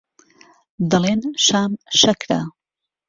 دەڵێن شام شەکرە